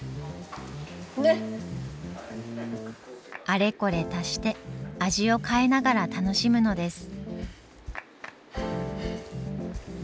あれこれ足して味を変えながら楽しむのです。